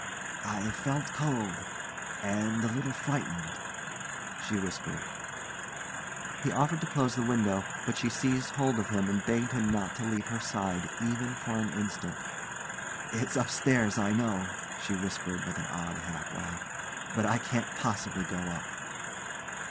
"I feel cold and a little frightened," she whispered. He offered to close the window, but she seized hold of him and begged him not to leave her side even for an instant. "It's upstairs, I know," she whispered, with an odd half laugh; "but I can't possibly go up."